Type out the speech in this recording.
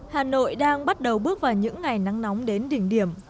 hà nội đang bắt đầu bước vào những ngày nắng nóng đến đỉnh điểm